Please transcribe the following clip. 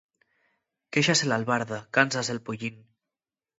Quéxase l'albarda, cánsase'l pollín.